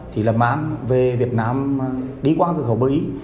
thì là mang về việt nam đi qua cửa khẩu ý